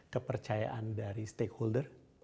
kepercayaan dari stakeholder